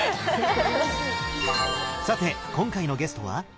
さて今回のゲストは？